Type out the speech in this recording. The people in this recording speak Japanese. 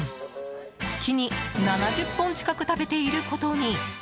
月に７０本近く食べていることに。